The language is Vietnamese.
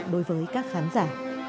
đối với các khán giả